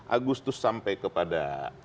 agustus sampai kepada